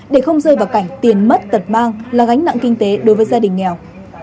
để không rơi vào cảnh tiền mất tật mang là gánh nặng kinh tế đối với gia đình nghèo